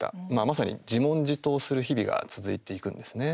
まさに、自問自答する日々が続いていくんですね。